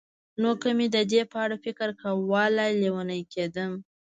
نو که مې د دې په اړه فکر کولای، لېونی کېدم.